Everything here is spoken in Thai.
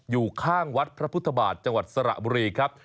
อยู่ข้างวัดพระพุทธบาทจังหวัดสระบุรีครับ